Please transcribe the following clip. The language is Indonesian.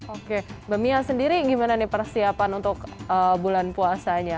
oke mbak mia sendiri gimana nih persiapan untuk bulan puasanya